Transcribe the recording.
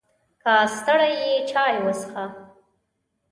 که ستړی یې، چای وڅښه!